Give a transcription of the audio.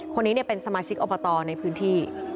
คนนี้เป็นสมาชิกอบตในพื้นที่